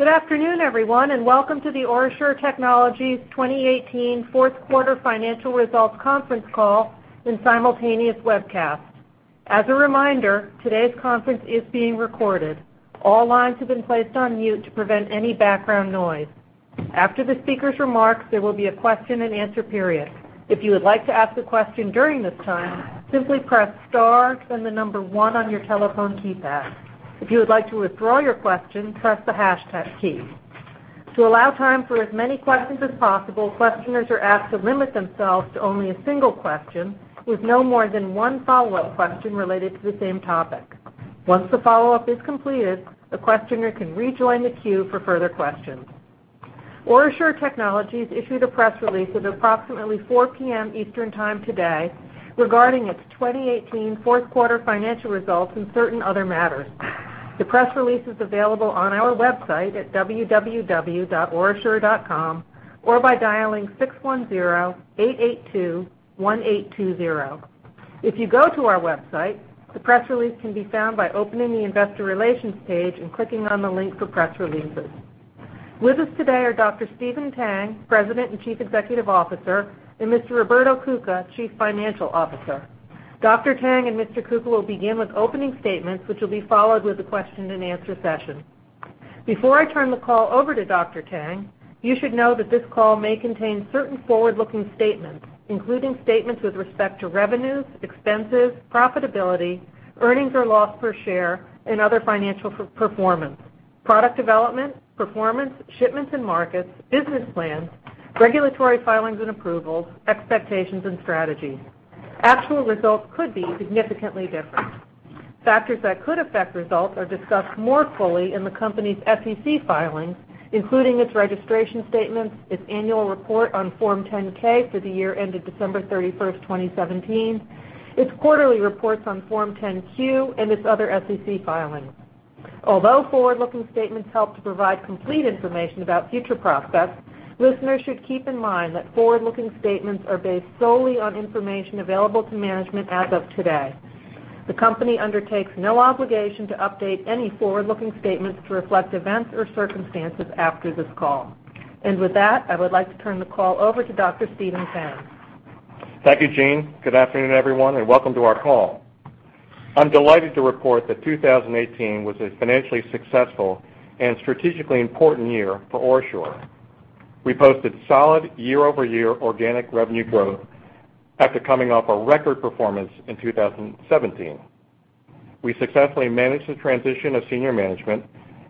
Good afternoon, everyone, and welcome to the OraSure Technologies 2018 Fourth Quarter Financial Results Conference Call and simultaneous webcast. As a reminder, today's conference is being recorded. All lines have been placed on mute to prevent any background noise. After the speaker's remarks, there will be a question and answer period. If you would like to ask a question during this time, simply press star, then one on your telephone keypad. If you would like to withdraw your question, press the hashtag key. To allow time for as many questions as possible, questioners are asked to limit themselves to only a single question with no more than one follow-up question related to the same topic. Once the follow-up is completed, the questioner can rejoin the queue for further questions. OraSure Technologies issued a press release at approximately 4:00 P.M. Eastern Time today regarding its 2018 fourth quarter financial results and certain other matters. The press release is available on our website at www.orasure.com or by dialing 610-882-1820. If you go to our website, the press release can be found by opening the Investor Relations page and clicking on the link for press releases. With us today are Dr. Stephen Tang, President and Chief Executive Officer, and Mr. Roberto Cuca, Chief Financial Officer. Dr. Tang and Mr. Cuca will begin with opening statements, which will be followed with a question and answer session. Before I turn the call over to Dr. Tang, you should know that this call may contain certain forward-looking statements, including statements with respect to revenues, expenses, profitability, earnings or loss per share, and other financial performance, product development, performance, shipments and markets, business plans, regulatory filings and approvals, expectations, and strategies. Actual results could be significantly different. Factors that could affect results are discussed more fully in the company's SEC filings, including its registration statements, its annual report on Form 10-K for the year ended December 31st, 2017, its quarterly reports on Form 10-Q, and its other SEC filings. Although forward-looking statements help to provide complete information about future prospects, listeners should keep in mind that forward-looking statements are based solely on information available to management as of today. The company undertakes no obligation to update any forward-looking statements to reflect events or circumstances after this call. With that, I would like to turn the call over to Dr. Stephen Tang. Thank you, Jean. Good afternoon, everyone, and welcome to our call. I am delighted to report that 2018 was a financially successful and strategically important year for OraSure. We posted solid year-over-year organic revenue growth after coming off a record performance in 2017. We successfully managed the transition of senior management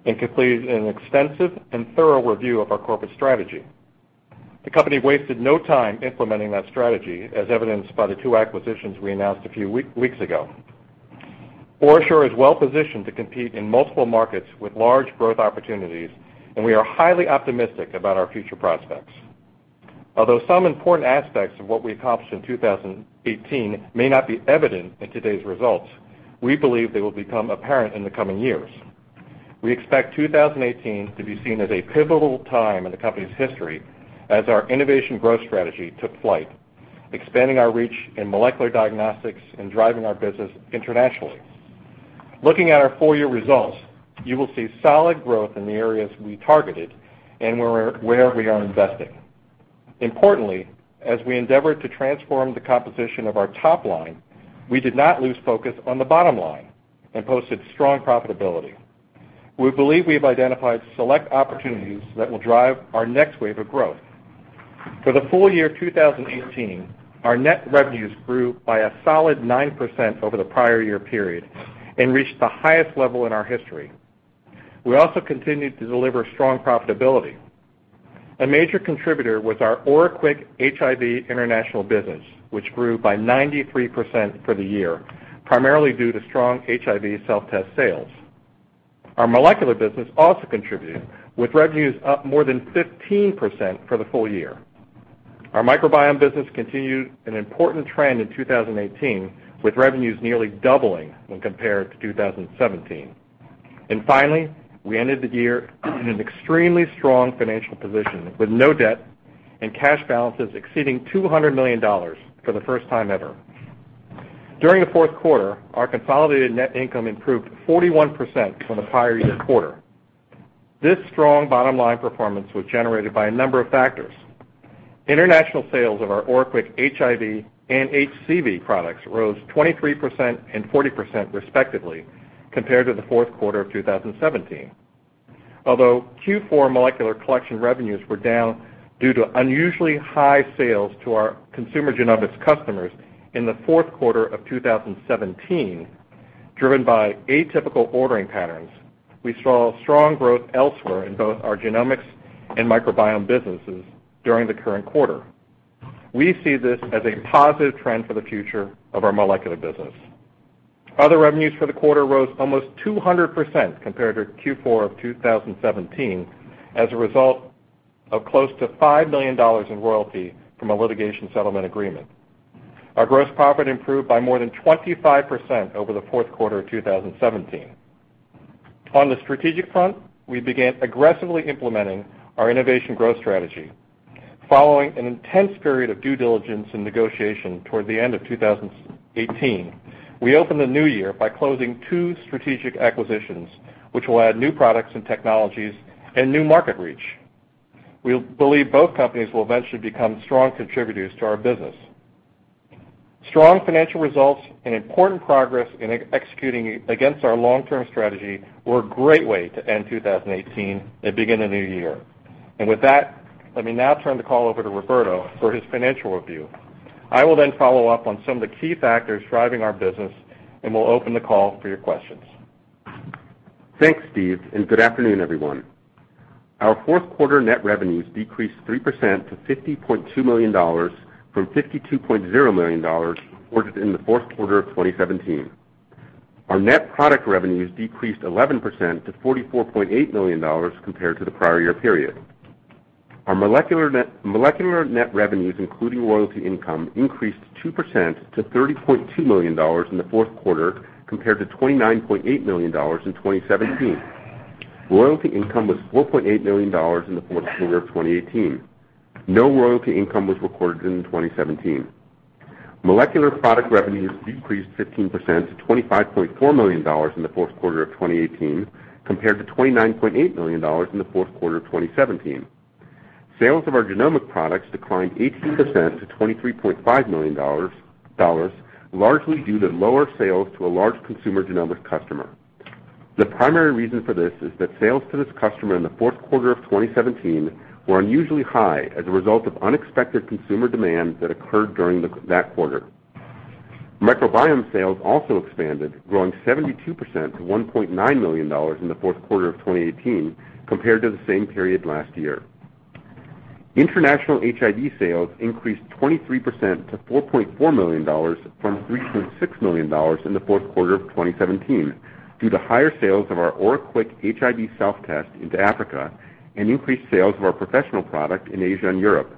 and completed an extensive and thorough review of our corporate strategy. The company wasted no time implementing that strategy, as evidenced by the two acquisitions we announced a few weeks ago. OraSure is well-positioned to compete in multiple markets with large growth opportunities, and we are highly optimistic about our future prospects. Although some important aspects of what we accomplished in 2018 may not be evident in today's results, we believe they will become apparent in the coming years. We expect 2018 to be seen as a pivotal time in the company's history as our innovation growth strategy took flight, expanding our reach in molecular diagnostics and driving our business internationally. Looking at our full-year results, you will see solid growth in the areas we targeted and where we are investing. Importantly, as we endeavored to transform the composition of our top line, we did not lose focus on the bottom line and posted strong profitability. We believe we have identified select opportunities that will drive our next wave of growth. For the full year 2018, our net revenues grew by a solid 9% over the prior year period and reached the highest level in our history. We also continued to deliver strong profitability. A major contributor was our OraQuick HIV international business, which grew by 93% for the year, primarily due to strong HIV self-test sales. Our molecular business also contributed, with revenues up more than 15% for the full year. Our microbiome business continued an important trend in 2018, with revenues nearly doubling when compared to 2017. Finally, we ended the year in an extremely strong financial position with no debt and cash balances exceeding $200 million for the first time ever. During the fourth quarter, our consolidated net income improved 41% from the prior year quarter. This strong bottom-line performance was generated by a number of factors. International sales of our OraQuick HIV and HCV products rose 23% and 40% respectively compared to the fourth quarter of 2017. Although Q4 molecular collection revenues were down due to unusually high sales to our consumer genomics customers in the fourth quarter of 2017, driven by atypical ordering patterns, we saw strong growth elsewhere in both our genomics and microbiome businesses during the current quarter. We see this as a positive trend for the future of our molecular business. Other revenues for the quarter rose almost 200% compared to Q4 of 2017 as a result of close to $5 million in royalty from a litigation settlement agreement. Our gross profit improved by more than 25% over the fourth quarter of 2017. On the strategic front, we began aggressively implementing our innovation growth strategy. Following an intense period of due diligence and negotiation toward the end of 2018, we opened the new year by closing two strategic acquisitions, which will add new products and technologies and new market reach. We believe both companies will eventually become strong contributors to our business. Strong financial results and important progress in executing against our long-term strategy were a great way to end 2018 and begin the new year. With that, let me now turn the call over to Roberto for his financial review. I will then follow up on some of the key factors driving our business, and we'll open the call for your questions. Thanks, Steve, good afternoon, everyone. Our fourth quarter net revenues decreased 3% to $50.2 million from $52.0 million reported in the fourth quarter of 2017. Our net product revenues decreased 11% to $44.8 million compared to the prior year period. Our molecular net revenues, including royalty income, increased 2% to $30.2 million in the fourth quarter, compared to $29.8 million in 2017. Royalty income was $4.8 million in the fourth quarter of 2018. No royalty income was recorded in 2017. Molecular product revenues decreased 15% to $25.4 million in the fourth quarter of 2018, compared to $29.8 million in the fourth quarter of 2017. Sales of our genomic products declined 18% to $23.5 million, largely due to lower sales to a large consumer genomics customer. The primary reason for this is that sales to this customer in the fourth quarter of 2017 were unusually high as a result of unexpected consumer demand that occurred during that quarter. microbiome sales also expanded, growing 72% to $1.9 million in the fourth quarter of 2018 compared to the same period last year. International HIV sales increased 23% to $4.4 million from $3.6 million in the fourth quarter of 2017 due to higher sales of our OraQuick HIV self-test into Africa and increased sales of our professional product in Asia and Europe.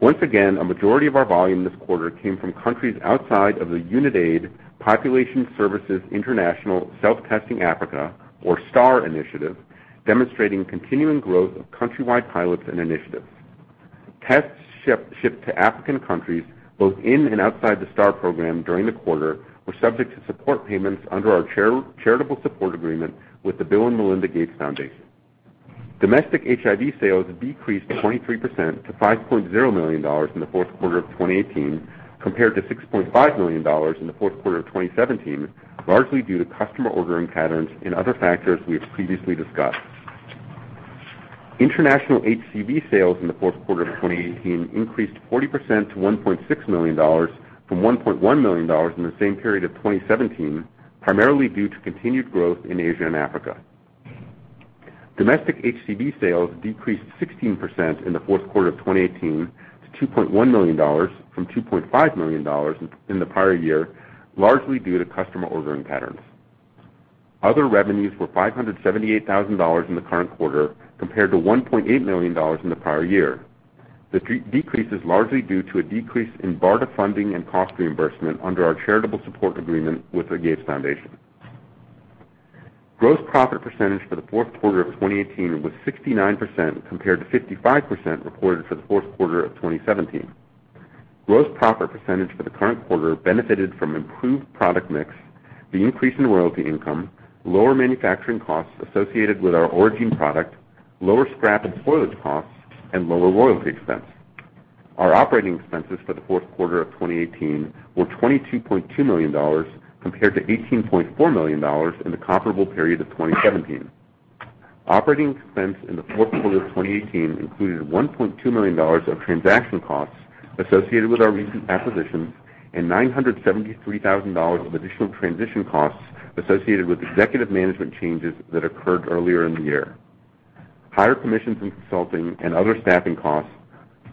Once again, a majority of our volume this quarter came from countries outside of the Unitaid Population Services International Self-Testing Africa, or STAR initiative, demonstrating continuing growth of country-wide pilots and initiatives. Tests shipped to African countries both in and outside the STAR program during the quarter were subject to support payments under our charitable support agreement with the Bill & Melinda Gates Foundation. Domestic HIV sales decreased 23% to $5.0 million in the fourth quarter of 2018, compared to $6.5 million in the fourth quarter of 2017, largely due to customer ordering patterns and other factors we have previously discussed. International HCV sales in the fourth quarter of 2018 increased 40% to $1.6 million from $1.1 million in the same period of 2017, primarily due to continued growth in Asia and Africa. Domestic HCV sales decreased 16% in the fourth quarter of 2018 to $2.1 million from $2.5 million in the prior year, largely due to customer ordering patterns. Other revenues were $578,000 in the current quarter, compared to $1.8 million in the prior year. The decrease is largely due to a decrease in BARDA funding and cost reimbursement under our charitable support agreement with the Gates Foundation. Gross profit percentage for the fourth quarter of 2018 was 69%, compared to 55% reported for the fourth quarter of 2017. Gross profit percentage for the current quarter benefited from improved product mix, the increase in royalty income, lower manufacturing costs associated with our Oragene product, lower scrap and spoilage costs, and lower royalty expense. Our operating expenses for the fourth quarter of 2018 were $22.2 million, compared to $18.4 million in the comparable period of 2017. Operating expense in the fourth quarter of 2018 included $1.2 million of transaction costs associated with our recent acquisitions and $973,000 of additional transition costs associated with executive management changes that occurred earlier in the year. Higher commissions and consulting and other staffing costs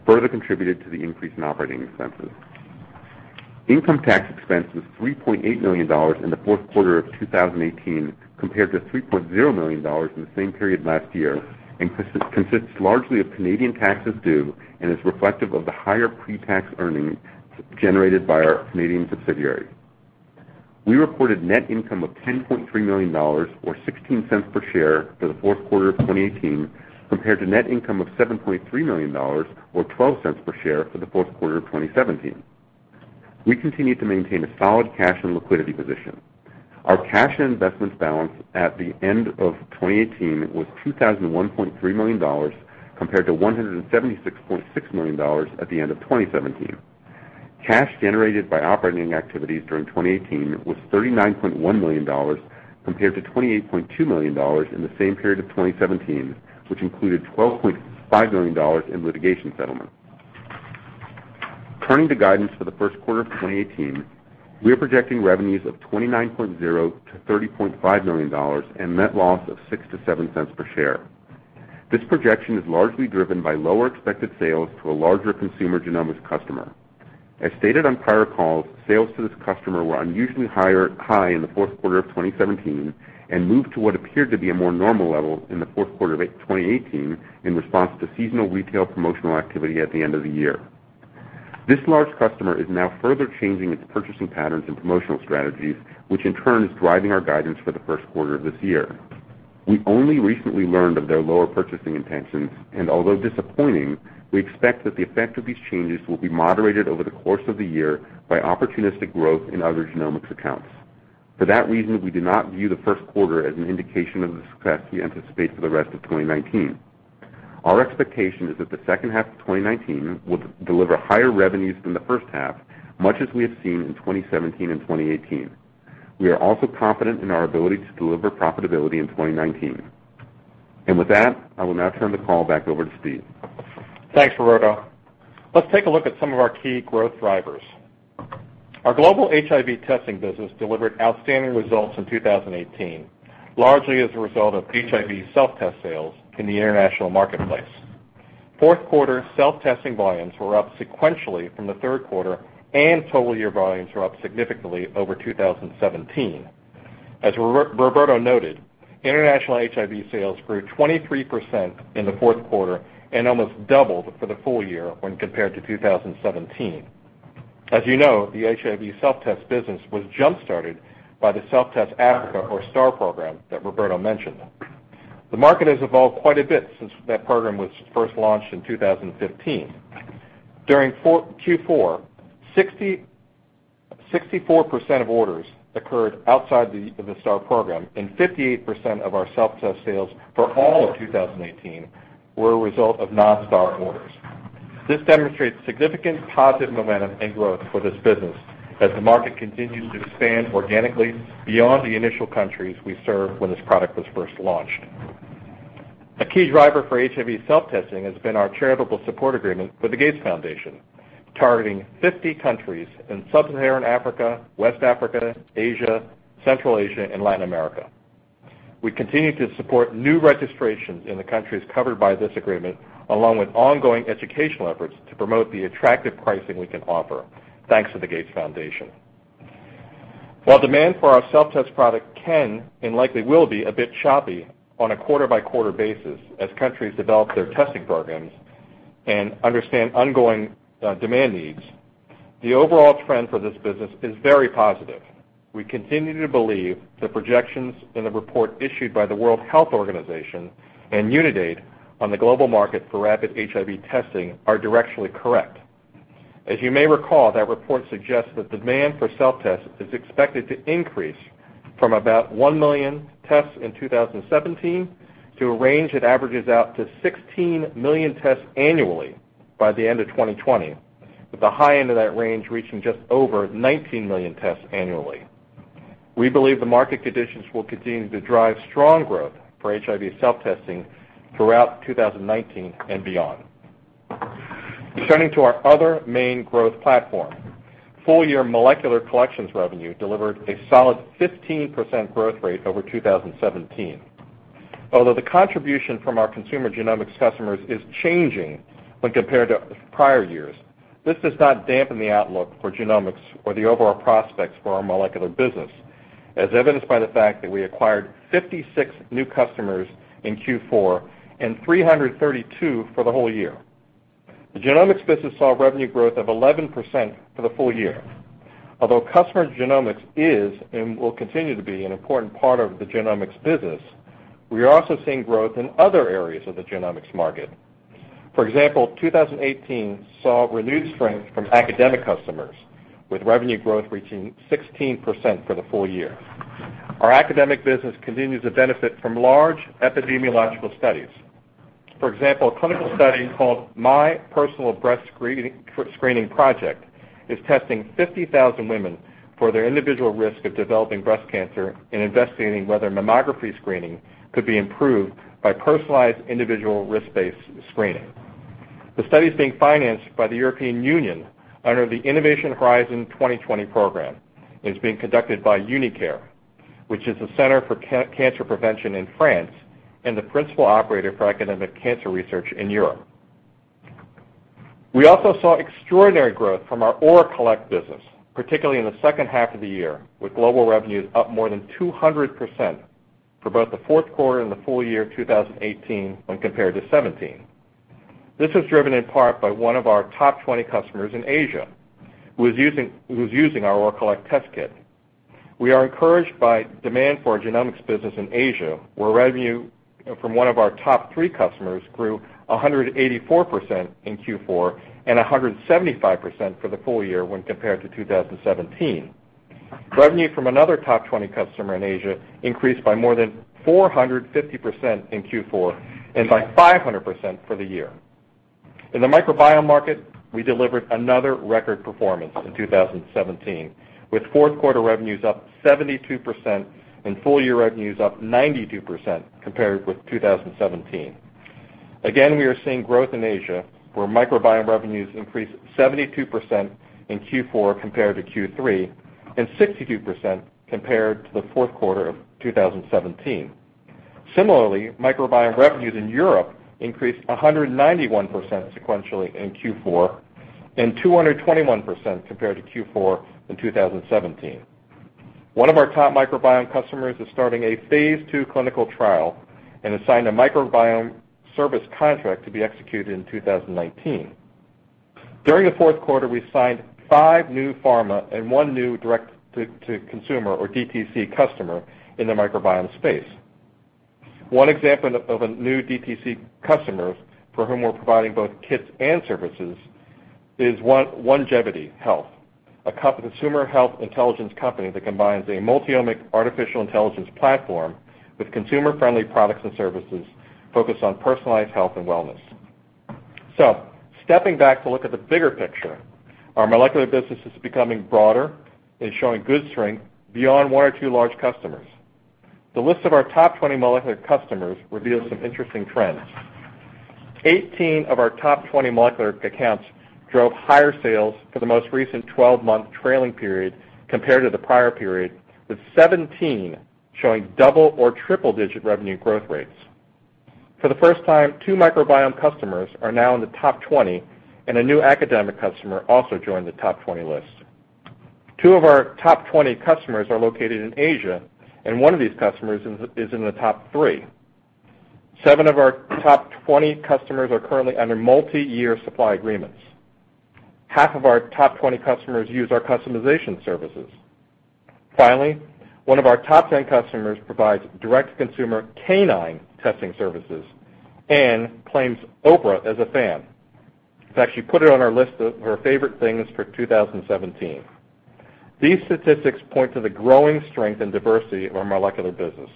further contributed to the increase in operating expenses. Income tax expense was $3.8 million in the fourth quarter of 2018, compared to $3.0 million in the same period last year, and consists largely of Canadian taxes due and is reflective of the higher pre-tax earnings generated by our Canadian subsidiary. We reported net income of $10.3 million or $0.16 per share for the fourth quarter of 2018, compared to net income of $7.3 million or $0.12 per share for the fourth quarter of 2017. We continue to maintain a solid cash and liquidity position. Our cash and investments balance at the end of 2018 was $201.3 million, compared to $176.6 million at the end of 2017. Cash generated by operating activities during 2018 was $39.1 million, compared to $28.2 million in the same period of 2017, which included $12.5 million in litigation settlement. Turning to guidance for the first quarter of 2018, we are projecting revenues of $29.0 million-$30.5 million and net loss of $0.06-$0.07 per share. This projection is largely driven by lower expected sales to a larger consumer genomics customer. As stated on prior calls, sales to this customer were unusually high in the fourth quarter of 2017 and moved to what appeared to be a more normal level in the fourth quarter of 2018 in response to seasonal retail promotional activity at the end of the year. This large customer is now further changing its purchasing patterns and promotional strategies, which in turn is driving our guidance for the first quarter of this year. We only recently learned of their lower purchasing intentions, although disappointing, we expect that the effect of these changes will be moderated over the course of the year by opportunistic growth in other genomics accounts. For that reason, we do not view the first quarter as an indication of the success we anticipate for the rest of 2019. Our expectation is that the second half of 2019 will deliver higher revenues than the first half, much as we have seen in 2017 and 2018. We are also confident in our ability to deliver profitability in 2019. With that, I will now turn the call back over to Steve. Thanks, Roberto. Let's take a look at some of our key growth drivers. Our global HIV testing business delivered outstanding results in 2018, largely as a result of HIV self-test sales in the international marketplace. Fourth quarter self-testing volumes were up sequentially from the third quarter, and total year volumes were up significantly over 2017. As Roberto noted, international HIV sales grew 23% in the fourth quarter and almost doubled for the full year when compared to 2017. As you know, the HIV self-test business was jump-started by the Self-Test Africa or STAR program that Roberto mentioned. The market has evolved quite a bit since that program was first launched in 2015. During Q4, 64% of orders occurred outside of the STAR program, and 58% of our self-test sales for all of 2018 were a result of non-STAR orders. This demonstrates significant positive momentum and growth for this business as the market continues to expand organically beyond the initial countries we served when this product was first launched. A key driver for HIV self-testing has been our charitable support agreement with the Gates Foundation, targeting 50 countries in sub-Saharan Africa, West Africa, Asia, Central Asia, and Latin America. We continue to support new registrations in the countries covered by this agreement, along with ongoing educational efforts to promote the attractive pricing we can offer, thanks to the Gates Foundation. While demand for our self-test product can and likely will be a bit choppy on a quarter-by-quarter basis as countries develop their testing programs and understand ongoing demand needs, the overall trend for this business is very positive. We continue to believe the projections in the report issued by the World Health Organization and UNAIDS on the global market for rapid HIV testing are directionally correct. As you may recall, that report suggests that demand for self-test is expected to increase from about 1 million tests in 2017 to a range that averages out to 16 million tests annually by the end of 2020, with the high end of that range reaching just over 19 million tests annually. We believe the market conditions will continue to drive strong growth for HIV self-testing throughout 2019 and beyond. Turning to our other main growth platform, full-year molecular collections revenue delivered a solid 15% growth rate over 2017. Although the contribution from our consumer genomics customers is changing when compared to prior years, this does not dampen the outlook for genomics or the overall prospects for our molecular business, as evidenced by the fact that we acquired 56 new customers in Q4 and 332 for the whole year. The genomics business saw revenue growth of 11% for the full year. Although customer genomics is and will continue to be an important part of the genomics business, we are also seeing growth in other areas of the genomics market. For example, 2018 saw renewed strength from academic customers, with revenue growth reaching 16% for the full year. Our academic business continues to benefit from large epidemiological studies. For example, a clinical study called My Personal Breast Screening project is testing 50,000 women for their individual risk of developing breast cancer and investigating whether mammography screening could be improved by personalized individual risk-based screening. The study is being financed by the European Union under the Innovation Horizon 2020 program and is being conducted by Unicancer, which is a center for cancer prevention in France and the principal operator for Academic Cancer Research in Europe. We also saw extraordinary growth from our ORAcollect business, particularly in the second half of the year, with global revenues up more than 200% for both the fourth quarter and the full year 2018 when compared to 2017. This was driven in part by one of our top 20 customers in Asia who was using our ORAcollect test kit. We are encouraged by demand for our genomics business in Asia, where revenue from one of our top three customers grew 184% in Q4 and 175% for the full year when compared to 2017. Revenue from another top 20 customer in Asia increased by more than 450% in Q4 and by 500% for the year. In the microbiome market, we delivered another record performance in 2017, with fourth quarter revenues up 72% and full-year revenues up 92% compared with 2017. Again, we are seeing growth in Asia, where microbiome revenues increased 72% in Q4 compared to Q3 and 62% compared to the fourth quarter of 2017. Similarly, microbiome revenues in Europe increased 191% sequentially in Q4 and 221% compared to Q4 in 2017. One of our top microbiome customers is starting a phase II clinical trial and has signed a microbiome service contract to be executed in 2019. During the fourth quarter, we signed five new pharma and one new direct-to-consumer, or DTC, customer in the microbiome space. One example of a new DTC customer for whom we're providing both kits and services is Onegevity Health, a consumer health intelligence company that combines a multi-omic artificial intelligence platform with consumer-friendly products and services focused on personalized health and wellness. Stepping back to look at the bigger picture, our molecular business is becoming broader and showing good strength beyond one or two large customers. The list of our top 20 molecular customers reveals some interesting trends. 18 of our top 20 molecular accounts drove higher sales for the most recent 12-month trailing period compared to the prior period, with 17 showing double or triple-digit revenue growth rates. For the first time, two microbiome customers are now in the top 20, and a new academic customer also joined the top 20 list. Two of our top 20 customers are located in Asia, and one of these customers is in the top three. Seven of our top 20 customers are currently under multi-year supply agreements. Half of our top 20 customers use our customization services. Finally, one of our top 10 customers provides direct-to-consumer canine testing services and claims Oprah as a fan, who actually put it on her list of her favorite things for 2017. These statistics point to the growing strength and diversity of our molecular business.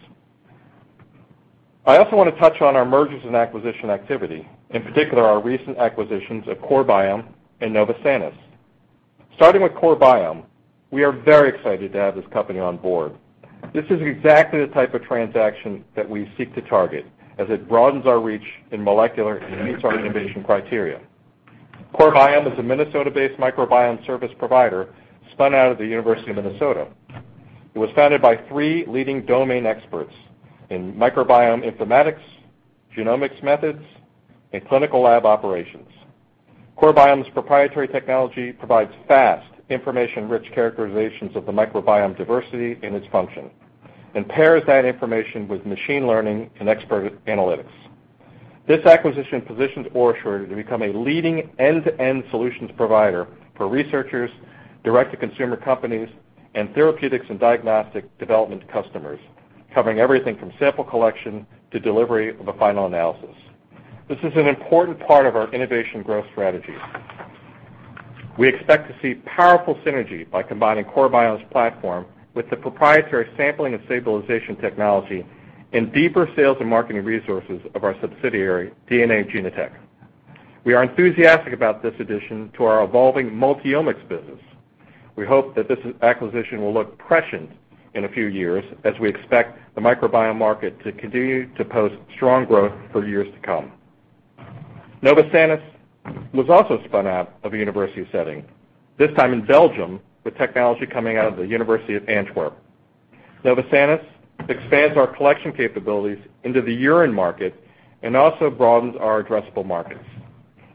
I also want to touch on our mergers and acquisition activity, in particular, our recent acquisitions of CoreBiome and Novosanis. Starting with CoreBiome, we are very excited to have this company on board. This is exactly the type of transaction that we seek to target as it broadens our reach in molecular and meets our innovation criteria. CoreBiome is a Minnesota-based microbiome service provider spun out of the University of Minnesota. It was founded by three leading domain experts in microbiome informatics, genomics methods, and clinical lab operations. CoreBiome's proprietary technology provides fast, information-rich characterizations of the microbiome diversity and its function and pairs that information with machine learning and expert analytics. This acquisition positions OraSure to become a leading end-to-end solutions provider for researchers, direct-to-consumer companies, and therapeutics and diagnostic development customers, covering everything from sample collection to delivery of a final analysis. This is an important part of our innovation growth strategy. We expect to see powerful synergy by combining CoreBiome's platform with the proprietary sampling and stabilization technology and deeper sales and marketing resources of our subsidiary, DNA Genotek. We are enthusiastic about this addition to our evolving multi-omics business. We hope that this acquisition will look prescient in a few years as we expect the microbiome market to continue to post strong growth for years to come. Novosanis was also spun out of a university setting, this time in Belgium, with technology coming out of the University of Antwerp. Novosanis expands our collection capabilities into the urine market and also broadens our addressable markets.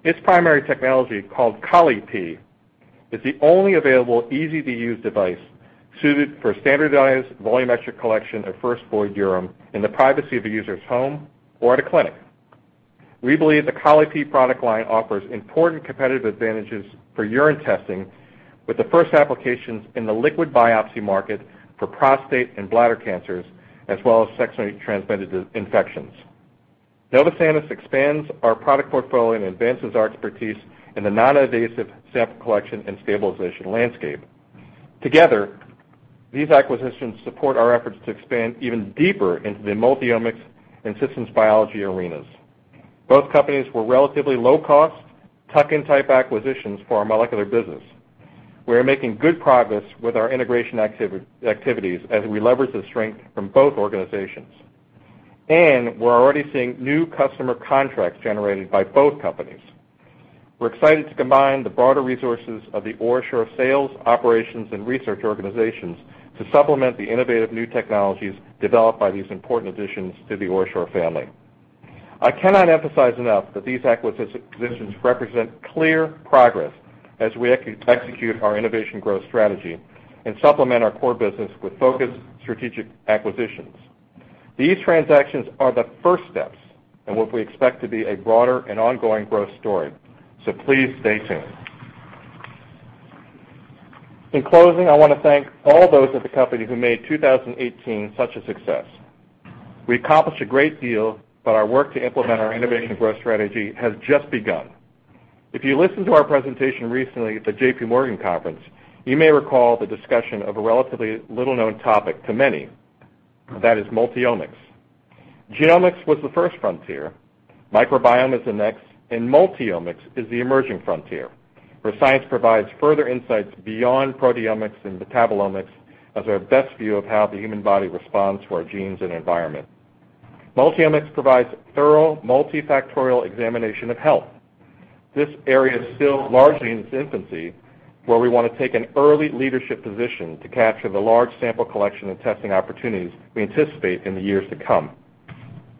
Its primary technology, called Colli-Pee, is the only available easy-to-use device suited for standardized volumetric collection of first void urine in the privacy of a user's home or at a clinic. We believe the Colli-Pee product line offers important competitive advantages for urine testing, with the first applications in the liquid biopsy market for prostate and bladder cancers, as well as sexually transmitted infections. Novosanis expands our product portfolio and advances our expertise in the non-invasive sample collection and stabilization landscape. Together, these acquisitions support our efforts to expand even deeper into the multi-omics and systems biology arenas. Both companies were relatively low cost, tuck-in type acquisitions for our molecular business. We are making good progress with our integration activities as we leverage the strength from both organizations, and we're already seeing new customer contracts generated by both companies. We're excited to combine the broader resources of the OraSure sales, operations, and research organizations to supplement the innovative new technologies developed by these important additions to the OraSure family. I cannot emphasize enough that these acquisitions represent clear progress as we execute our innovation growth strategy and supplement our core business with focused strategic acquisitions. These transactions are the first steps in what we expect to be a broader and ongoing growth story. Please stay tuned. In closing, I want to thank all those at the company who made 2018 such a success. We accomplished a great deal, but our work to implement our innovation growth strategy has just begun. If you listened to our presentation recently at the JP Morgan conference, you may recall the discussion of a relatively little-known topic to many, that is multi-omics. Genomics was the first frontier, microbiome is the next, and multi-omics is the emerging frontier, where science provides further insights beyond proteomics and metabolomics as our best view of how the human body responds to our genes and environment. Multi-omics provides thorough multifactorial examination of health. This area is still largely in its infancy, where we want to take an early leadership position to capture the large sample collection and testing opportunities we anticipate in the years to come.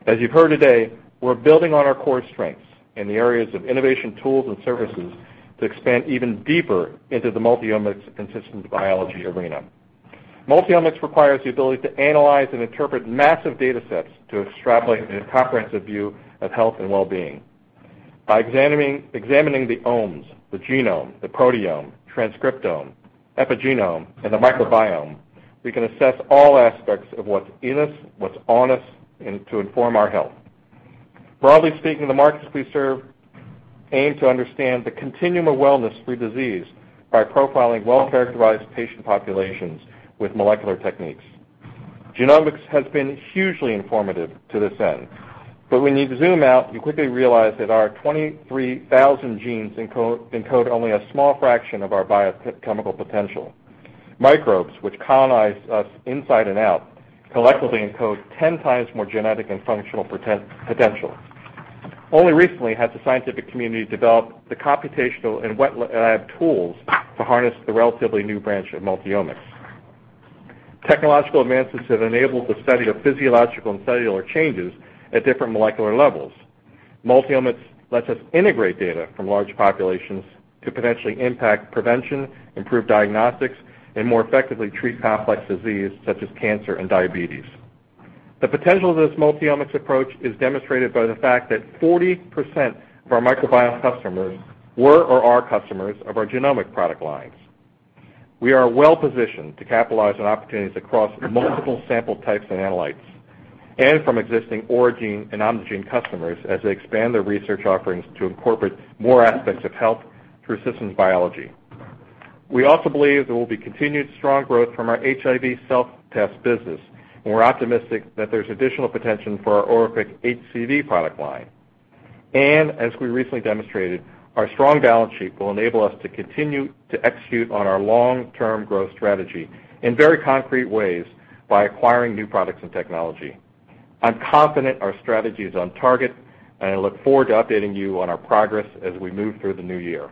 As you've heard today, we're building on our core strengths in the areas of innovation tools and services to expand even deeper into the multi-omics systems biology arena. Multi-omics requires the ability to analyze and interpret massive data sets to extrapolate a comprehensive view of health and wellbeing. By examining the omes, the genome, the proteome, transcriptome, epigenome, and the microbiome, we can assess all aspects of what's in us, what's on us, and to inform our health. Broadly speaking, the markets we serve aim to understand the continuum of wellness through disease by profiling well-characterized patient populations with molecular techniques. Genomics has been hugely informative to this end, but when you zoom out, you quickly realize that our 23,000 genes encode only a small fraction of our biochemical potential. Microbes, which colonize us inside and out, collectively encode 10x more genetic and functional potential. Only recently has the scientific community developed the computational and wet lab tools to harness the relatively new branch of multi-omics. Technological advances have enabled the study of physiological and cellular changes at different molecular levels. Multi-omics lets us integrate data from large populations to potentially impact prevention, improve diagnostics, and more effectively treat complex disease such as cancer and diabetes. The potential of this multi-omics approach is demonstrated by the fact that 40% of our microbiome customers were or are customers of our genomic product lines. We are well-positioned to capitalize on opportunities across multiple sample types and analytes, and from existing Oragene and OMNIgene customers as they expand their research offerings to incorporate more aspects of health through systems biology. We also believe there will be continued strong growth from our HIV self-test business, and we're optimistic that there's additional potential for our OraQuick HCV product line. As we recently demonstrated, our strong balance sheet will enable us to continue to execute on our long-term growth strategy in very concrete ways by acquiring new products and technology. I'm confident our strategy is on target, and I look forward to updating you on our progress as we move through the new year.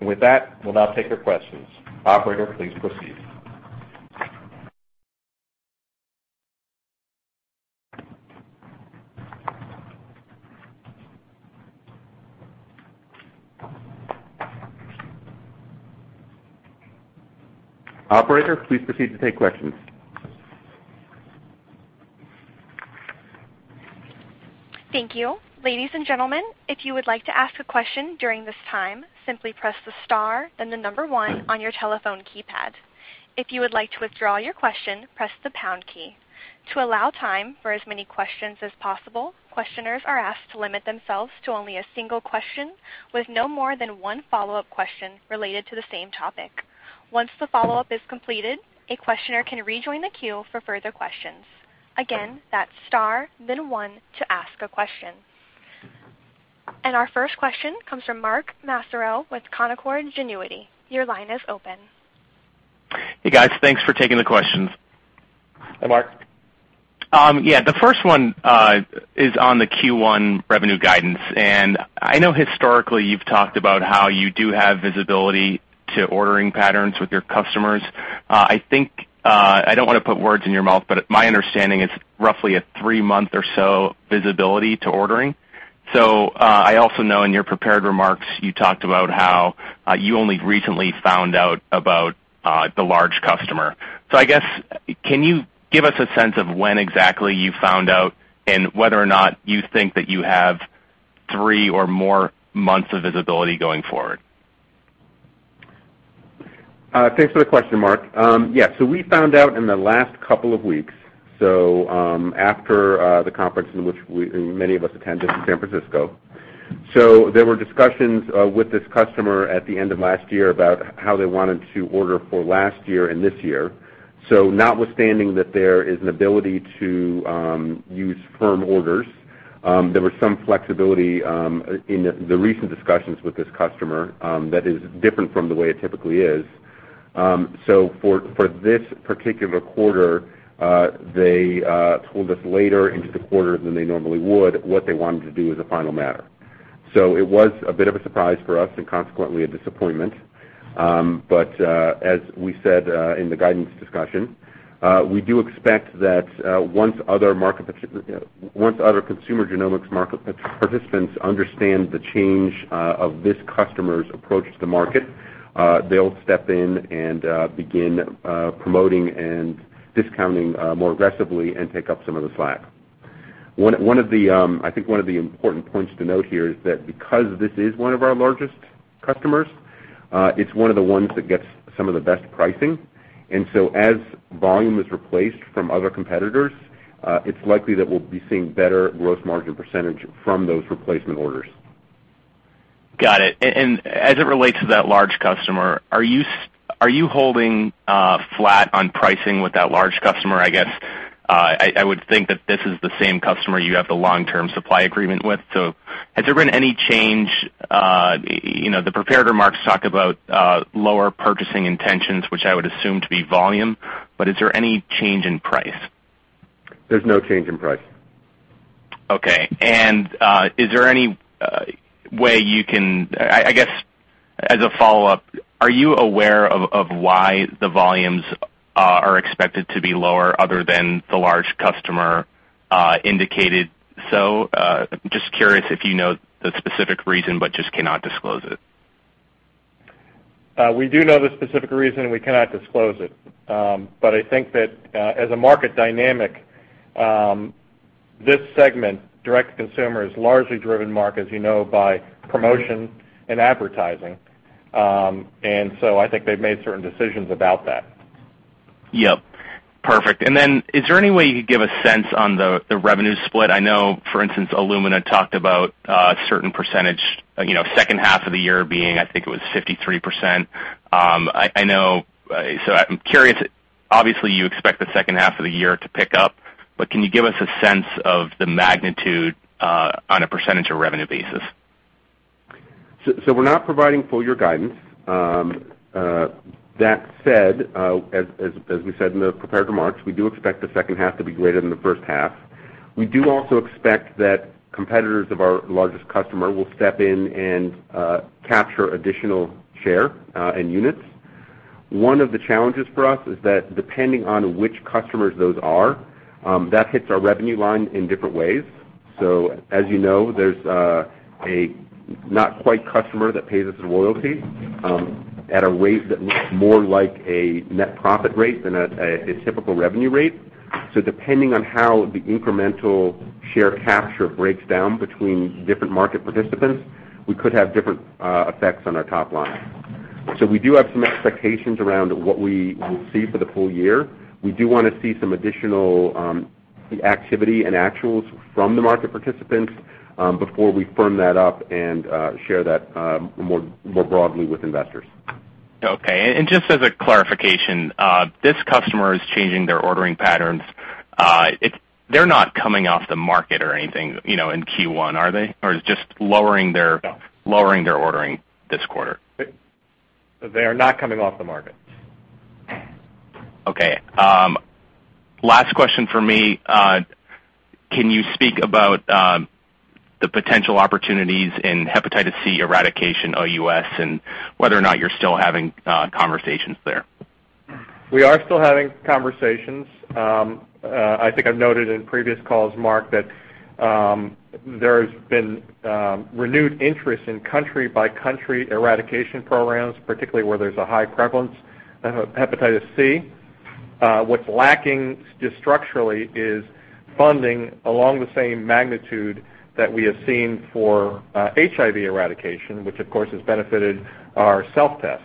With that, we'll now take your questions. Operator, please proceed. Operator, please proceed to take questions. Thank you. Ladies and gentlemen, if you would like to ask a question during this time, simply press the star, then the number one on your telephone keypad. If you would like to withdraw your question, press the pound key. To allow time for as many questions as possible, questioners are asked to limit themselves to only a single question with no more than one follow-up question related to the same topic. Once the follow-up is completed, a questioner can rejoin the queue for further questions. Again, that's star, then one to ask a question. Our first question comes from Mark Massaro with Canaccord Genuity. Your line is open. Hey, guys. Thanks for taking the questions. Hi, Mark. The first one is on the Q1 revenue guidance. I know historically you've talked about how you do have visibility to ordering patterns with your customers. I don't want to put words in your mouth, but my understanding is roughly a three-month or so visibility to ordering. I also know in your prepared remarks, you talked about how you only recently found out about the large customer. I guess, can you give us a sense of when exactly you found out and whether or not you think that you have three or more months of visibility going forward? Thanks for the question, Mark. We found out in the last couple of weeks, after the conference in which many of us attended in San Francisco. There were discussions with this customer at the end of last year about how they wanted to order for last year and this year. Notwithstanding that there is an ability to use firm orders, there was some flexibility in the recent discussions with this customer that is different from the way it typically is. For this particular quarter, they told us later into the quarter than they normally would what they wanted to do as a final matter. It was a bit of a surprise for us and consequently a disappointment. As we said in the guidance discussion, we do expect that once other consumer genomics market participants understand the change of this customer's approach to the market, they'll step in and begin promoting and discounting more aggressively and pick up some of the slack. I think one of the important points to note here is that because this is one of our largest customers, it's one of the ones that gets some of the best pricing. As volume is replaced from other competitors, it's likely that we'll be seeing better gross margin percentage from those replacement orders. Got it. As it relates to that large customer, are you holding flat on pricing with that large customer? I guess, I would think that this is the same customer you have the long-term supply agreement with. Has there been any change? The prepared remarks talk about lower purchasing intentions, which I would assume to be volume, but is there any change in price? There's no change in price. Okay. I guess as a follow-up, are you aware of why the volumes are expected to be lower other than the large customer indicated so? Just curious if you know the specific reason, but just cannot disclose it. We do know the specific reason, we cannot disclose it. I think that as a market dynamic, this segment, direct-to-consumer, is largely driven, Mark, as you know, by promotion and advertising. I think they've made certain decisions about that. Yep. Perfect. Is there any way you could give a sense on the revenue split? I know, for instance, Illumina talked about a certain percentage, second half of the year being, I think it was 53%. I'm curious, obviously you expect the second half of the year to pick up, can you give us a sense of the magnitude on a percentage or revenue basis? We're not providing full year guidance. That said, as we said in the prepared remarks, we do expect the second half to be greater than the first half. We do also expect that competitors of our largest customer will step in and capture additional share and units. One of the challenges for us is that depending on which customers those are, that hits our revenue line in different ways. As you know, there's a not quite customer that pays us a royalty at a rate that looks more like a net profit rate than a typical revenue rate. Depending on how the incremental share capture breaks down between different market participants, we could have different effects on our top line. We do have some expectations around what we will see for the full year. We do want to see some additional activity and actuals from the market participants before we firm that up and share that more broadly with investors. Okay. Just as a clarification, this customer is changing their ordering patterns. They're not coming off the market or anything in Q1, are they? Or it's just lowering their- No lowering their ordering this quarter? They are not coming off the market. Okay. Last question from me. Can you speak about the potential opportunities in hepatitis C eradication, OUS, and whether or not you're still having conversations there? We are still having conversations. I think I've noted in previous calls, Mark, that there's been renewed interest in country-by-country eradication programs, particularly where there's a high prevalence of hepatitis C. What's lacking just structurally is funding along the same magnitude that we have seen for HIV eradication, which of course has benefited our self-test.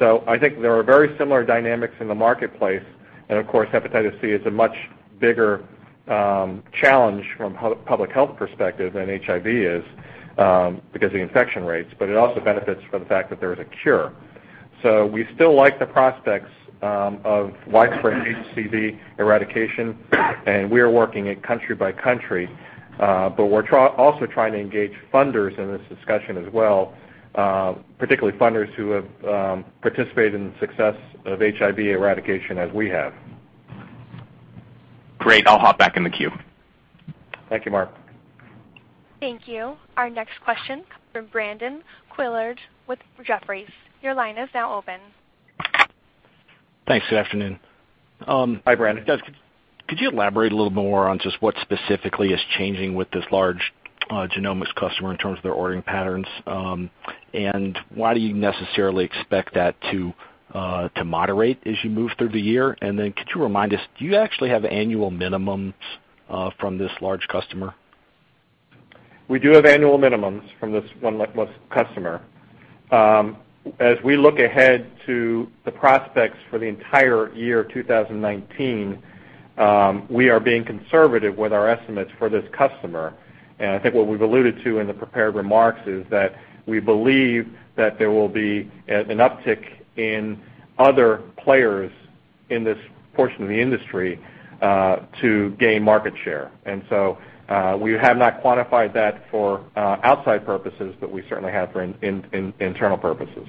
I think there are very similar dynamics in the marketplace, and of course, hepatitis C is a much bigger challenge from public health perspective than HIV is, because the infection rates, but it also benefits from the fact that there is a cure. We still like the prospects of widespread HCV eradication, and we are working it country-by-country. We're also trying to engage funders in this discussion as well, particularly funders who have participated in the success of HIV eradication as we have. Great. I'll hop back in the queue. Thank you, Mark. Thank you. Our next question comes from Brandon Couillard with Jefferies. Your line is now open. Thanks. Good afternoon. Hi, Brandon. Could you elaborate a little bit more on just what specifically is changing with this large genomics customer in terms of their ordering patterns? Why do you necessarily expect that to moderate as you move through the year? Could you remind us, do you actually have annual minimums from this large customer? We do have annual minimums from this one customer. As we look ahead to the prospects for the entire year 2019, we are being conservative with our estimates for this customer. I think what we've alluded to in the prepared remarks is that we believe that there will be an uptick in other players in this portion of the industry to gain market share. We have not quantified that for outside purposes, but we certainly have for internal purposes.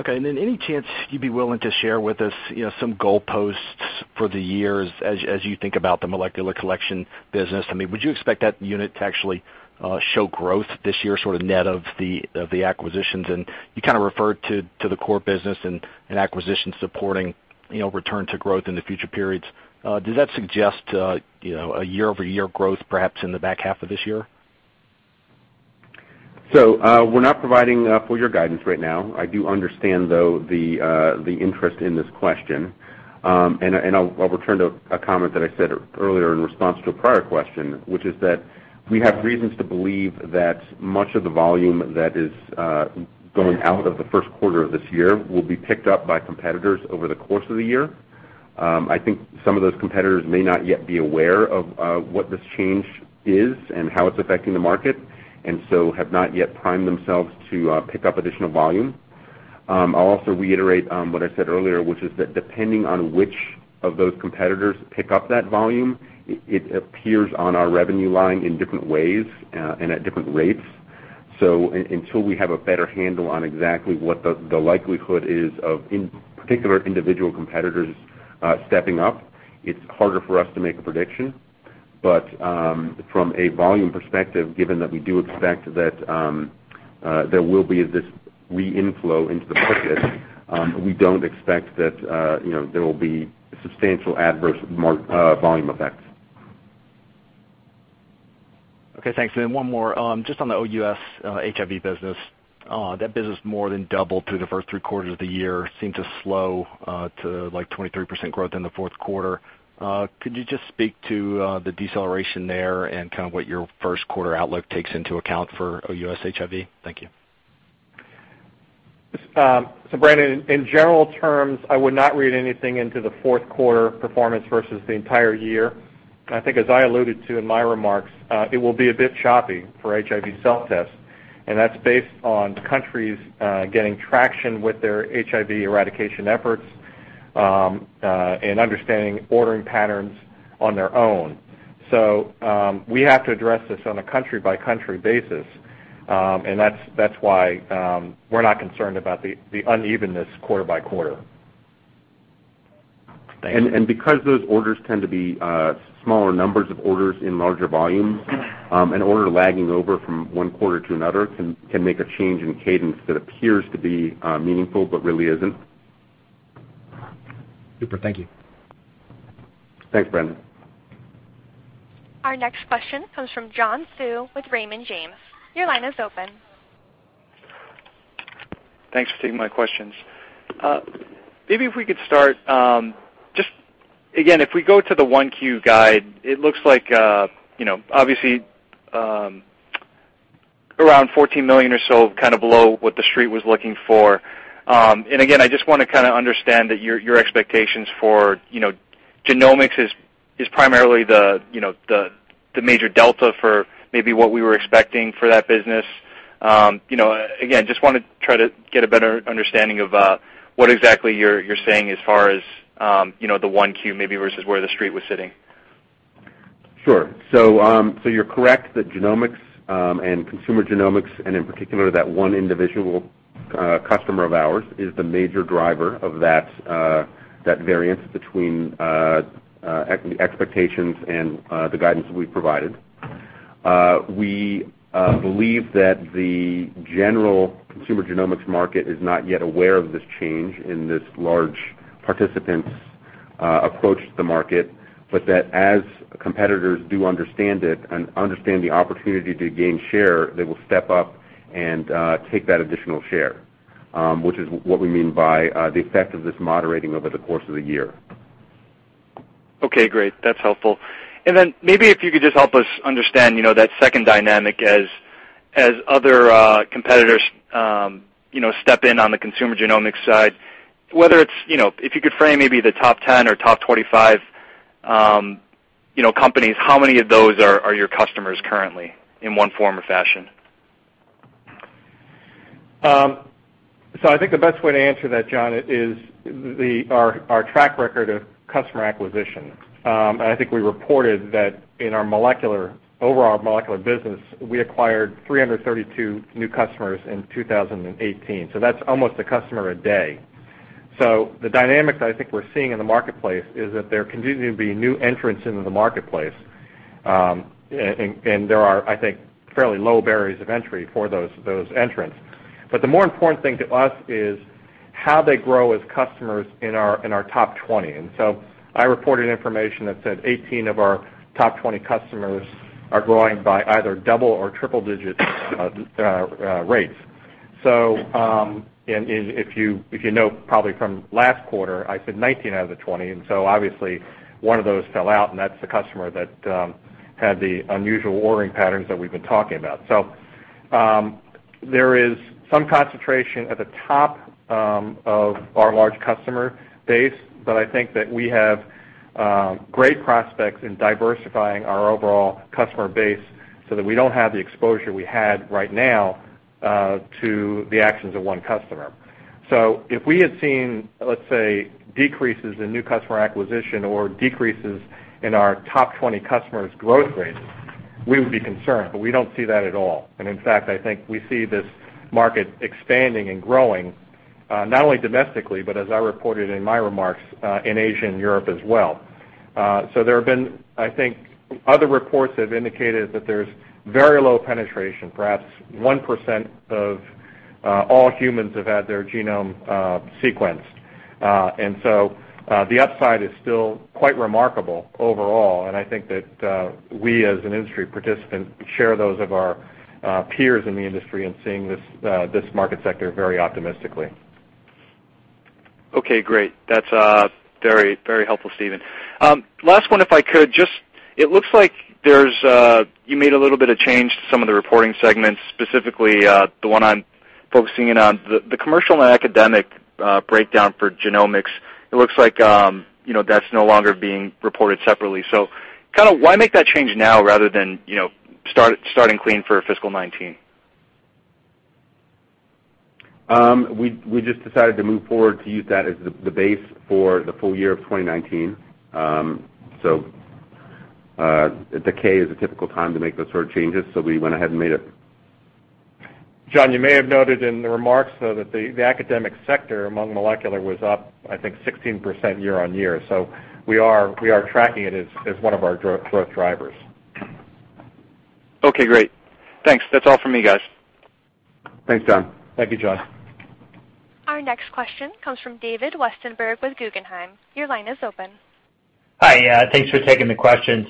Okay. Any chance you'd be willing to share with us some goalposts for the years as you think about the molecular collection business? I mean, would you expect that unit to actually show growth this year, sort of net of the acquisitions? You kind of referred to the core business and acquisition supporting return to growth in the future periods. Does that suggest a year-over-year growth perhaps in the back half of this year? We're not providing full year guidance right now. I do understand, though, the interest in this question. I'll return to a comment that I said earlier in response to a prior question, which is that we have reasons to believe that much of the volume that is going out of the first quarter of this year will be picked up by competitors over the course of the year. I think some of those competitors may not yet be aware of what this change is and how it's affecting the market, and so have not yet primed themselves to pick up additional volume. I'll also reiterate what I said earlier, which is that depending on which of those competitors pick up that volume, it appears on our revenue line in different ways and at different rates. Until we have a better handle on exactly what the likelihood is of particular individual competitors stepping up, it's harder for us to make a prediction. From a volume perspective, given that we do expect that there will be this re-inflow into the market, we don't expect that there will be substantial adverse volume effects. Okay, thanks. One more, just on the OUS HIV business. That business more than doubled through the first three quarters of the year, seemed to slow to like 23% growth in the fourth quarter. Could you just speak to the deceleration there and kind of what your first quarter outlook takes into account for OUS HIV? Thank you. Brandon, in general terms, I would not read anything into the fourth quarter performance versus the entire year. I think as I alluded to in my remarks, it will be a bit choppy for HIV self-tests, and that's based on countries getting traction with their HIV eradication efforts, and understanding ordering patterns on their own. We have to address this on a country-by-country basis. That's why we're not concerned about the unevenness quarter-by-quarter. Thank you. Because those orders tend to be smaller numbers of orders in larger volumes, an order lagging over from one quarter to another can make a change in cadence that appears to be meaningful but really isn't. Super. Thank you. Thanks, Brandon. Our next question comes from John Hsu with Raymond James. Your line is open. Thanks for taking my questions. Maybe if we could start, if we go to the 1Q guide, it looks like obviously, around $14 million or so, kind of below what the Street was looking for. Again, I just want to understand that your expectations for genomics is primarily the major delta for maybe what we were expecting for that business. Again, just want to try to get a better understanding of what exactly you're saying as far as the 1Q maybe versus where the Street was sitting. Sure. You're correct that genomics and consumer genomics, and in particular, that one individual customer of ours is the major driver of that variance between expectations and the guidance that we've provided. We believe that the general consumer genomics market is not yet aware of this change in this large participant's approach to the market, but that as competitors do understand it and understand the opportunity to gain share, they will step up and take that additional share, which is what we mean by the effect of this moderating over the course of the year. Okay, great. That's helpful. Maybe if you could just help us understand that second dynamic as other competitors step in on the consumer genomics side, if you could frame maybe the top 10 or top 25 companies, how many of those are your customers currently in one form or fashion? I think the best way to answer that, John, is our track record of customer acquisition. I think we reported that in our overall molecular business, we acquired 332 new customers in 2018. That's almost a customer a day. The dynamics I think we're seeing in the marketplace is that there continue to be new entrants into the marketplace, there are, I think, fairly low barriers of entry for those entrants. The more important thing to us is how they grow as customers in our top 20. I reported information that said 18 of our top 20 customers are growing by either double or triple-digit rates. If you know, probably from last quarter, I said 19 out of the 20, obviously one of those fell out, that's the customer that had the unusual ordering patterns that we've been talking about. There is some concentration at the top of our large customer base, I think that we have great prospects in diversifying our overall customer base so that we don't have the exposure we had right now to the actions of one customer. If we had seen, let's say, decreases in new customer acquisition or decreases in our top 20 customers' growth rates, we would be concerned, we don't see that at all. In fact, I think we see this market expanding and growing, not only domestically, but as I reported in my remarks, in Asia and Europe as well. There have been, I think other reports have indicated that there's very low penetration. Perhaps 1% of all humans have had their genome sequenced. The upside is still quite remarkable overall, I think that we as an industry participant share those of our peers in the industry in seeing this market sector very optimistically. Okay, great. That's very helpful, Stephen. Last one, if I could just, it looks like you made a little bit of change to some of the reporting segments, specifically, the one I'm focusing in on, the commercial and academic breakdown for genomics. It looks like that's no longer being reported separately. Why make that change now rather than starting clean for fiscal 2019? We just decided to move forward to use that as the base for the full year of 2019. The K is a typical time to make those sort of changes, so we went ahead and made it. John, you may have noted in the remarks, though, that the academic sector among molecular was up, I think 16% year-over-year. We are tracking it as one of our growth drivers. Okay, great. Thanks. That's all from me, guys. Thanks, John. Thank you, John. Our next question comes from David Westenberg with Guggenheim. Your line is open. Hi. Yeah, thanks for taking the question.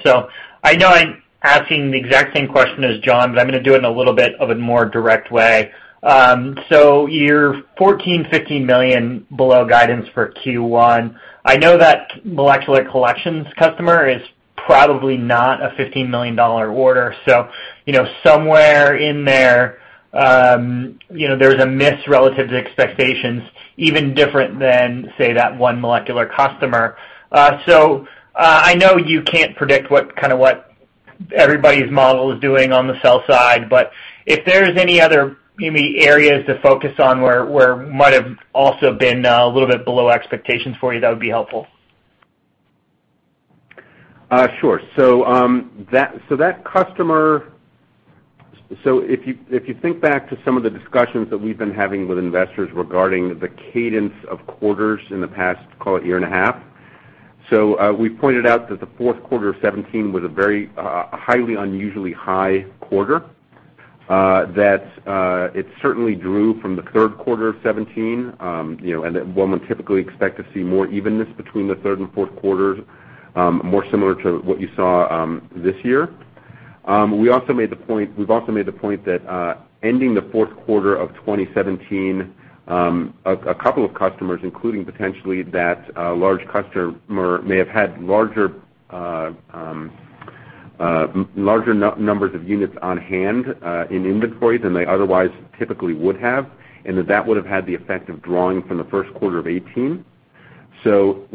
I know I'm asking the exact same question as John, but I'm going to do it in a little bit of a more direct way. You're $14 million, $15 million below guidance for Q1. I know that molecular collections customer is probably not a $15 million order. Somewhere in there's a miss relative to expectations, even different than, say, that one molecular customer. I know you can't predict what everybody's model is doing on the sell side, but if there's any other maybe areas to focus on where might have also been a little bit below expectations for you, that would be helpful. If you think back to some of the discussions that we've been having with investors regarding the cadence of quarters in the past, call it a year and a half. We pointed out that the fourth quarter of 2017 was a very, highly unusually high quarter, that it certainly drew from the third quarter of 2017, and that one would typically expect to see more evenness between the third and fourth quarters, more similar to what you saw this year. We've also made the point that ending the fourth quarter of 2017, a couple of customers, including potentially that large customer, may have had larger numbers of units on-hand in inventory than they otherwise typically would have, and that that would have had the effect of drawing from the first quarter of 2018.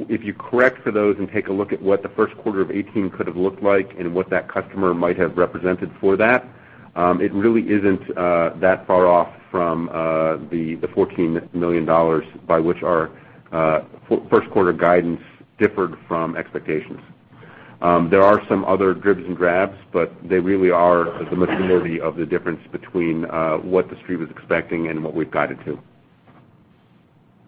If you correct for those and take a look at what the first quarter of 2018 could have looked like and what that customer might have represented for that, it really isn't that far off from the $14 million by which our first quarter guidance differed from expectations. There are some other dribs and drabs, but they really are the majority of the difference between what the street was expecting and what we've guided to.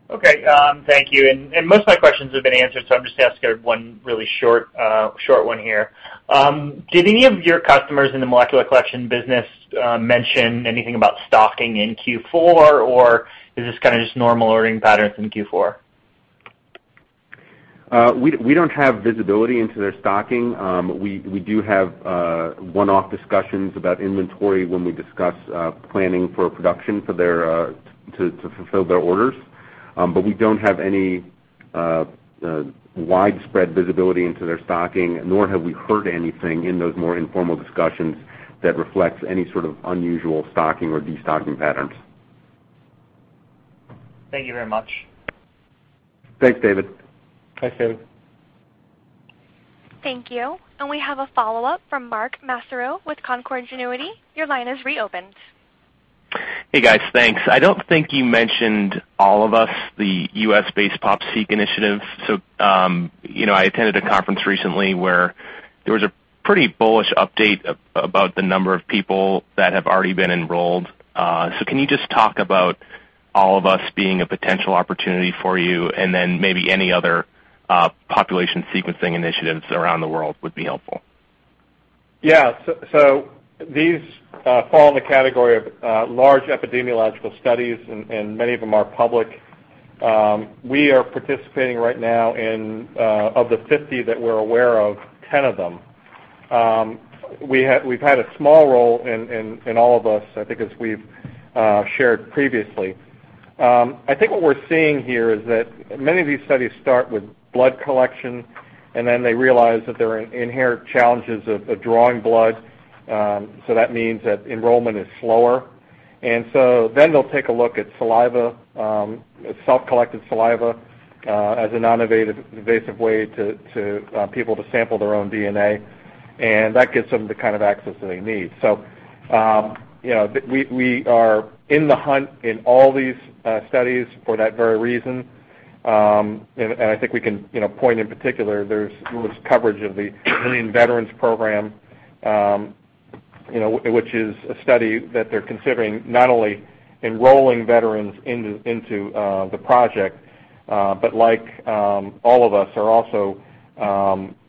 Okay. Thank you. Most of my questions have been answered, so I'm just going to ask one really short one here. Did any of your customers in the molecular collection business mention anything about stocking in Q4, or is this kind of just normal ordering patterns in Q4? We don't have visibility into their stocking. We do have one-off discussions about inventory when we discuss planning for production to fulfill their orders. We don't have any widespread visibility into their stocking, nor have we heard anything in those more informal discussions that reflects any sort of unusual stocking or de-stocking patterns. Thank you very much. Thanks, David. Thanks, David. Thank you. We have a follow-up from Mark Massaro with Canaccord Genuity. Your line is reopened. Hey, guys. Thanks. I don't think you mentioned All of Us, the U.S.-based pop-seq initiative. I attended a conference recently where there was a pretty bullish update about the number of people that have already been enrolled. Can you just talk about All of Us being a potential opportunity for you, and then maybe any other population sequencing initiatives around the world would be helpful. Yeah. These fall in the category of large epidemiological studies, and many of them are public. We are participating right now in, of the 50 that we're aware of, 10 of them. We've had a small role in all of us, I think, as we've shared previously. I think what we're seeing here is that many of these studies start with blood collection, and then they realize that there are inherent challenges of drawing blood. That means that enrollment is slower. They'll take a look at saliva, at self-collected saliva, as a non-invasive way to people to sample their own DNA, and that gets them the kind of access that they need. We are in the hunt in all these studies for that very reason. I think we can point in particular, there's coverage of the Million Veteran Program, which is a study that they're considering not only enrolling veterans into the project, but like All of Us, are also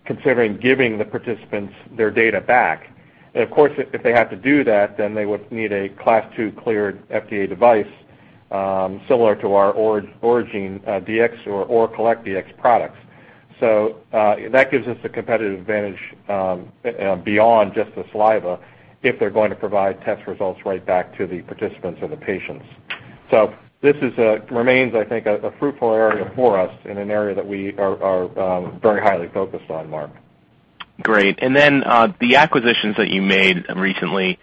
considering giving the participants their data back. Of course, if they have to do that, then they would need a Class II cleared FDA device, similar to our Oragene·Dx or ORAcollect·Dx products. That gives us a competitive advantage beyond just the saliva if they're going to provide test results right back to the participants or the patients. This remains, I think, a fruitful area for us in an area that we are very highly focused on, Mark. Great. The acquisitions that you made recently,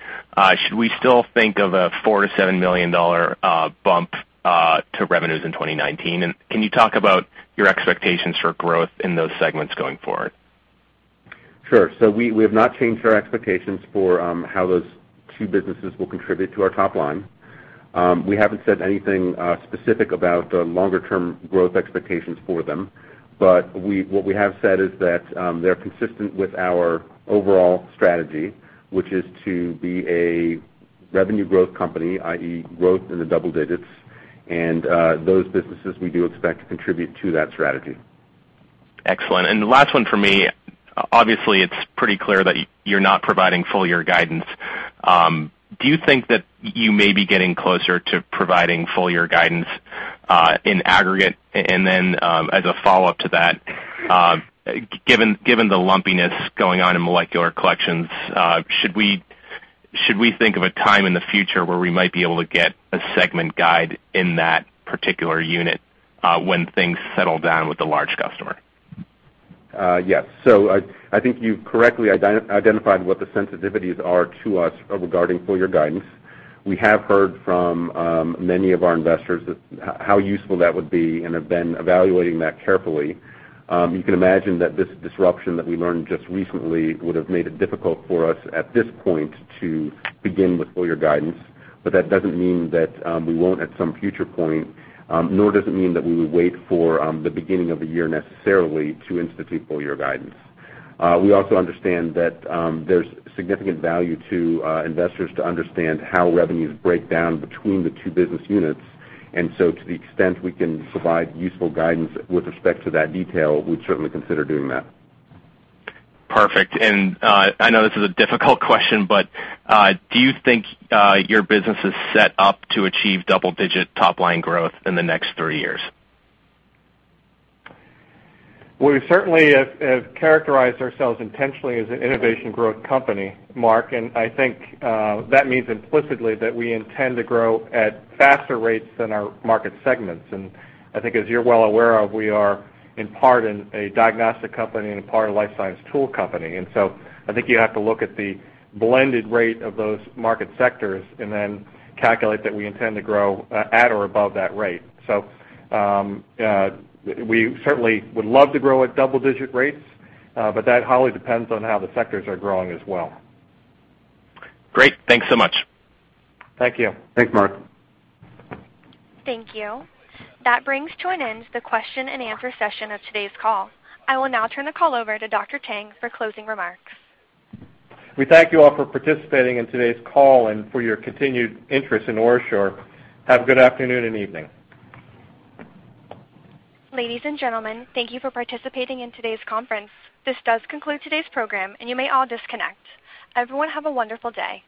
should we still think of a $4 million-$7 million bump to revenues in 2019? Can you talk about your expectations for growth in those segments going forward? Sure. We have not changed our expectations for how those two businesses will contribute to our top line. We haven't said anything specific about the longer-term growth expectations for them. What we have said is that they're consistent with our overall strategy, which is to be a revenue growth company, i.e., growth in the double-digits, and those businesses we do expect to contribute to that strategy. Excellent. The last one for me, obviously it's pretty clear that you're not providing full-year guidance. Do you think that you may be getting closer to providing full-year guidance in aggregate? As a follow-up to that, given the lumpiness going on in molecular collections, should we think of a time in the future where we might be able to get a segment guide in that particular unit when things settle down with the large customer? Yes. I think you've correctly identified what the sensitivities are to us regarding full-year guidance. We have heard from many of our investors how useful that would be and have been evaluating that carefully. You can imagine that this disruption that we learned just recently would've made it difficult for us at this point to begin with full-year guidance. That doesn't mean that we won't at some future point, nor does it mean that we would wait for the beginning of the year necessarily to institute full-year guidance. We also understand that there's significant value to investors to understand how revenues break down between the two business units. To the extent we can provide useful guidance with respect to that detail, we'd certainly consider doing that. Perfect. I know this is a difficult question, but do you think your business is set up to achieve double-digit top-line growth in the next three years? We certainly have characterized ourselves intentionally as an innovation growth company, Mark, and I think that means implicitly that we intend to grow at faster rates than our market segments. I think as you're well aware of, we are in part a diagnostic company and in part a life science tool company. I think you have to look at the blended rate of those market sectors and then calculate that we intend to grow at or above that rate. We certainly would love to grow at double-digit rates, but that highly depends on how the sectors are growing as well. Great. Thanks so much. Thank you. Thanks, Mark. Thank you. That brings to an end the question-and-answer session of today's call. I will now turn the call over to Dr. Tang for closing remarks. We thank you all for participating in today's call and for your continued interest in OraSure. Have a good afternoon and evening. Ladies and gentlemen, thank you for participating in today's conference. This does conclude today's program, and you may all disconnect. Everyone have a wonderful day.